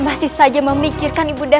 masih saja memikirkan ibu nda